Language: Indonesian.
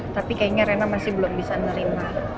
tapi kayaknya rena masih belum bisa nerima